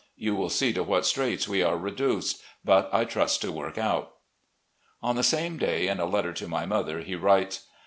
You will see to what straits we are reduced ; but I trust to work out." On the same day, in a letter to my mother, he writes